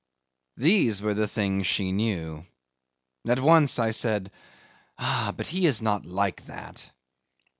... These were the things she knew! At once I said, "Ah! but he is not like that."